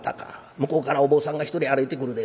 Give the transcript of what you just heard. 「向こうからお坊さんが一人歩いてくるで」。